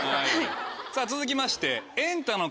さぁ続きまして。